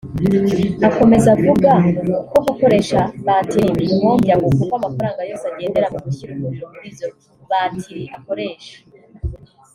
Akomeza avuga ko gukoresha bateri bimuhombya ngo kuko amafaranga yose agendera mu gushyira umuriro muri izo batiri akoresha